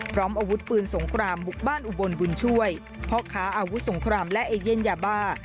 พร้อมอาวุธปืนสงครามบุกบ้านอุบลบุญช่วยพ่อค้าอาวุธสงครามและเอเย่นยาบ้า